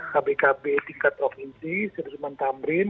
hbkb tingkat provinsi sederhana tamrin